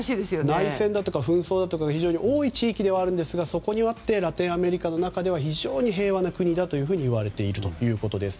内戦だとか紛争だとかが非常に多い地域ではあるんですがそこにあってラテンアメリカの中では非常に平和な国といわれているということです。